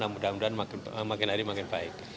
mudah mudahan makin hari makin baik